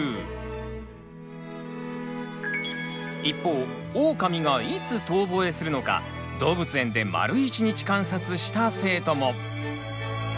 一方オオカミがいつ遠ぼえするのか動物園で丸一日観察した生徒も。